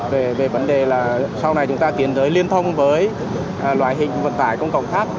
về vấn đề là sau này chúng ta tiến tới liên thông với loại hình vận tải công cộng khác